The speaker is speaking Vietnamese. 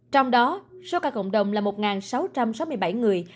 trong đó số ca cộng đồng là một sáu trăm sáu mươi bảy người